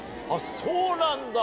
そうなんだ。